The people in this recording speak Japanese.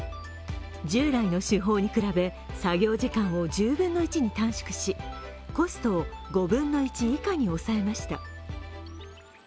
従来の手法に比べ、作業時間を１０分の１に短縮し、コストを５分の１以下に抑えました。